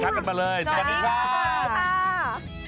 สวัสดีค่ะคุณผู้ชมทักกันมาเลยสวัสดีค่ะ